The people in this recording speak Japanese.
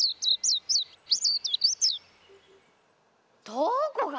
どこが！